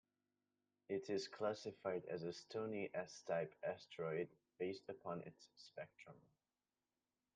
It is classified as a stony S-type asteroid based upon its spectrum.